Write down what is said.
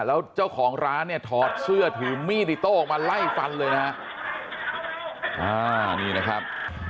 แล้วเจ้าของร้านเนี่ยถอดเสื้อถือมีดอิโต้ออกมาไล่ฟันเลยนะฮะอ่านี่นะครับ